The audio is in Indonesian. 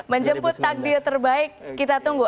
menjemput takdir terbaik kita tunggu